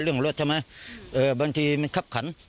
เรื่องรถใช่ไหมบางทีมันคับขัน